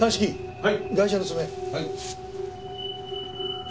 はい。